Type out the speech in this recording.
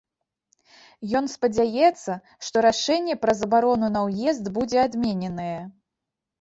Ён спадзяецца, што рашэнне пра забарону на ўезд будзе адмененае.